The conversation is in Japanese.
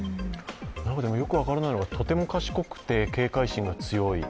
よく分からないのがとても賢くて警戒心が強い。